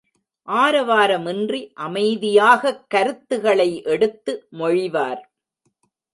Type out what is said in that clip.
ஆரவாரமின்றி அமைதியாகக் கருத்துகளை எடுத்து மொழிவார்.